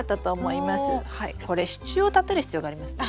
これ支柱を立てる必要がありますね。